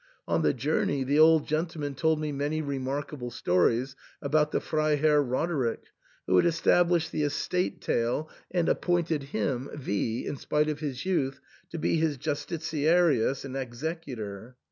On the journey the old gentleman told me many remarkable stories about the Freiherr Roderick, who had established the estate tail and ap pointed him (V ), in spite of his youth, to be his Justitiarius and executor.